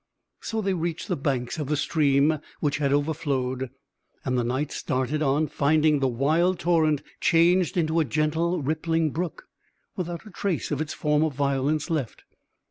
So they reached the banks of the stream which had overflowed, and the Knight started on finding the wild torrent changed into a gentle rippling brook, without a trace of its former violence left.